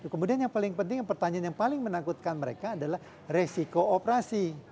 kemudian yang paling penting pertanyaan yang paling menakutkan mereka adalah resiko operasi